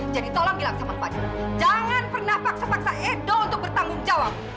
jadi tolong bilang sama fadil jangan pernah paksa paksa edo untuk bertanggung jawab